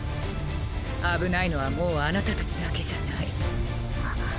危ないのはもうあなた達だけじゃない。